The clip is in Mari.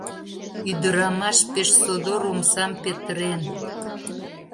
Ӱдырамаш пеш содор омсам петырен.